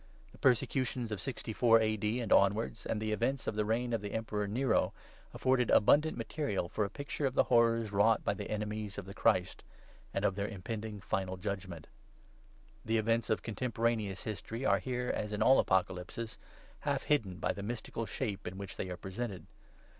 The Persecutions of 64 A.D. and onwards, and the events of the reign of the Emperor Nero, afforded abundant material for a picture of the horrors wrought by the enemies of the Christ, and of their impending final judgement. The events of contemporaneous history are here, as in all Apocalypses, half hidden by the mystical shape in which they are presented.